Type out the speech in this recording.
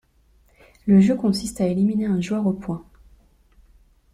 Le jeu consiste à éliminer un joueur aux points.